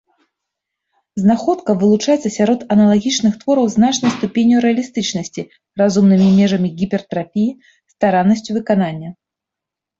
Знаходка вылучаецца сярод аналагічных твораў значнай ступенню рэалістычнасці, разумнымі межамі гіпертрафіі, стараннасцю выканання.